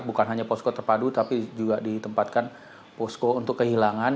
bukan hanya posko terpadu tapi juga ditempatkan posko untuk kehilangan